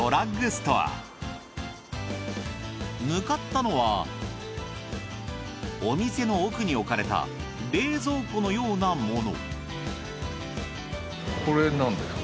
向かったのはお店の奥に置かれた冷蔵庫のようなもの。